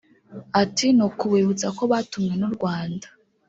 Ati “Ni ukubibutsa ko batumwe n’u Rwanda